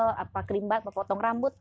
lakukan bercerita bah puas pisang btw